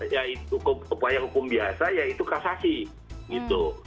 yaitu upaya hukum biasa yaitu kasasi gitu